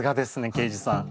刑事さん。